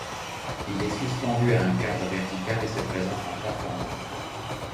Il est suspendu à un cadre vertical et se présente en trois formats.